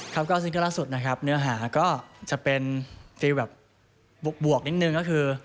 ครับก็ซึ่งก็ล่าสุดนะครับเนื้อหาก็จะเป็นฟิลแบบบวกนิดนึงก็คือ